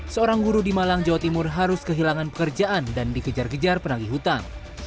seorang guru di malang jawa timur harus kehilangan pekerjaan dan dikejar kejar penagih hutang